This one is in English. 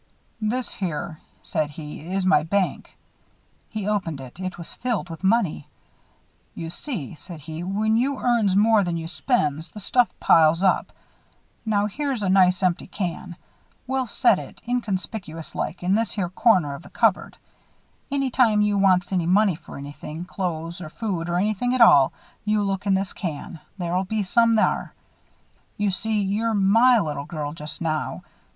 "This here," said he, "is my bank." He opened it. It was filled with money. "You see," said he, "when you earns more than you spends, the stuff piles up. Now here's a nice empty can. We'll set it, inconspicuous like, in this here corner of the cupboard. Any time you wants any money for anything clothes or food or anything at all you look in this can. There'll be some thar. You see, you're my little girl, just now.